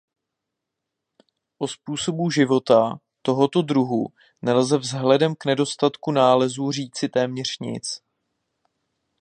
O způsobu života tohoto druhu nelze vzhledem k nedostatku nálezů říci téměř nic.